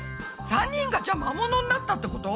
３人がじゃ魔物になったってこと？